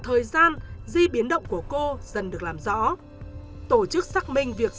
thời gian di biến động của cô dần được làm rõ tổ chức xác minh của nạn nhân đã tìm hiểu về nạn nhân